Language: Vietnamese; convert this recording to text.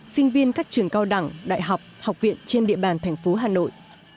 sinh viên các trường cao đẳng đại học học viện trên địa bàn thành phố hà nội